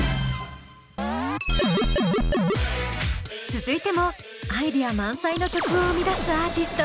続いてもアイデア満載の曲を生み出すアーティストを紹介。